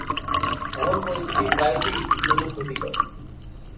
এমন পরিস্থিতি প্রায়শই স্ত্রীর জন্য ক্ষতিকর।